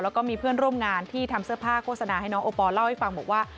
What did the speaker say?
แล้วก็มีเพื่อนร่วมงานที่ทำเสื้อผ้าโฆษณาให้น้องโอปอลเล่าให้ฟังบอกว่า